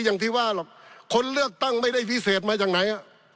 อย่างที่ว่าหรอกคนเลือกตั้งไม่ได้พิเศษมาจากไหน